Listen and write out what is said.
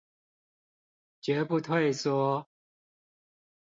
絕不退縮